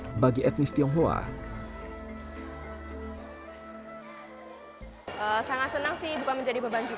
ini adalah hari yang ditunggu tunggu oleh ellen monika peserta karnaval budaya gerebek sudiro